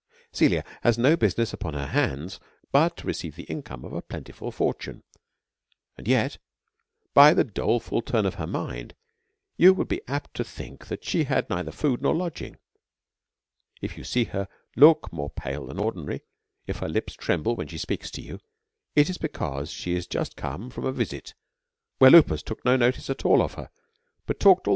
Caelia has no business upon her hands, but to receive the income of a plentiful for tune ; but yet, by the doleful turn of her mind, you would be apt to think that she had neither food nor lodging". If you see her look more pale than ordinary, if her lips tremble when she speaks to you, it is be cause she is just come from a visit, where Lupus took no notice at all of her, but talked all th.